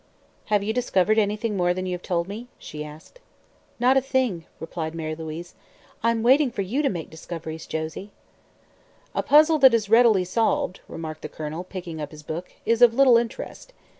"Have you discovered anything more than you have told me?" she asked. "Not a thing," replied Mary Louise. "I'm waiting for you to make discoveries, Josie." "A puzzle that is readily solved," remarked the Colonel, picking up his book, "is of little interest.